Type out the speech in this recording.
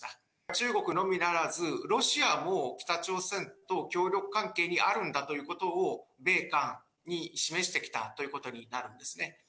中国のみならず、ロシアも北朝鮮と協力関係にあるんだということを、米韓に示してきたということになるんですね。